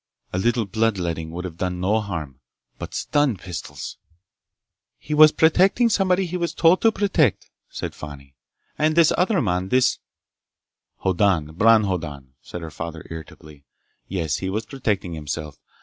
A little blood letting would have done no harm, but stun pistols—" "He was protecting somebody he was told to protect," said Fani. "And this other man, this—" "Hoddan. Bron Hoddan," said her father irritably. "Yes. He was protecting himself!